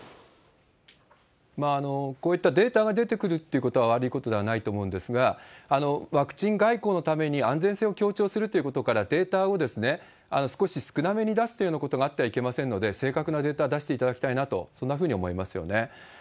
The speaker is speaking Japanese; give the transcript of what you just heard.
こういったデータが出てくるっていうことは悪いことではないと思うんですが、ワクチン外交のために安全性を強調するということから、データを少し少なめに出すということがあってはいけませんので、正確なデータを出していただきたいなと、そんなふうに思いますよね。